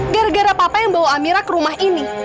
gara gara papa yang bawa amira ke rumah ini